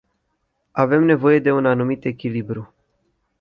Avem nevoie de un anumit echilibru.